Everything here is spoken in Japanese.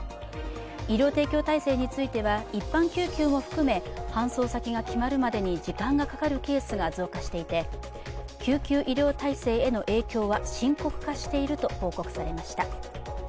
医療提供体制については、一般救急を含め搬送先が決まるまでに時間がかかるケースが増加していて救急医療体制への影響は深刻化していると報告されました。